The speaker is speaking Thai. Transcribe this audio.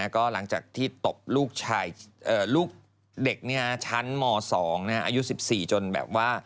ก็หลังจากที่ตบลูกเด็กชั้นม๒อายุ๑๔จนแบบว่า